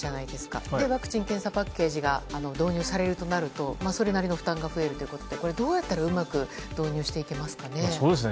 それでワクチン・検査パッケージが導入されるとなるとそれなりの負担が増えるということでこれはどうやったらうまく導入できますかね。